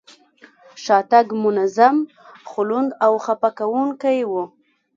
شاتګ منظم، خو لوند او خپه کوونکی و.